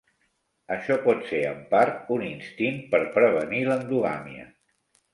Això pot ser en part un instint per prevenir l'endogàmia.